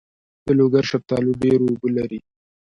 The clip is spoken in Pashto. د لوګر شفتالو ډیر اوبه لري.